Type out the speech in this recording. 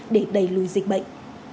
để đẩy lùi dịch bệnh